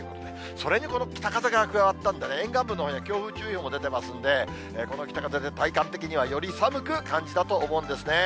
それにこの北風が加わったんでね、沿岸部のほうには強風注意報出てますんで、この北風で体感的にはより寒く感じたと思うんですね。